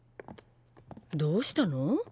どうしたの？